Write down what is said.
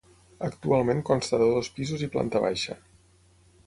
Actualment consta de dos pisos i planta baixa.